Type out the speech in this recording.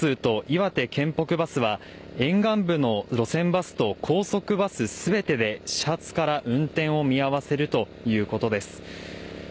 また岩手県交通と岩手県北バスは沿岸部の路線バスと高速バス全てで始発から運転を見合わせるということです。